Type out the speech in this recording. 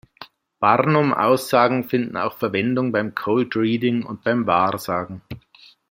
Barnum-Aussagen finden auch Verwendung beim Cold Reading und beim Wahrsagen.